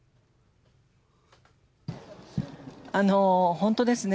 本当ですね。